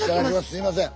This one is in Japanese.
すいません。